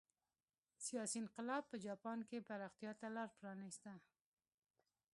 سیاسي انقلاب په جاپان کې پراختیا ته لار پرانېسته.